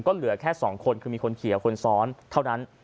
ก็เหลือแค่๒คนคือมีคนเขียวคนซ้อนเท่านั้น